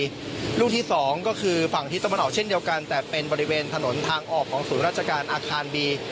ลูกที่สองก็คือฝั่งทิศตะวันออกเช่นเดียวกันแต่เป็นบริเวณถนนทางออกของศูนย์ราชการอาคารบี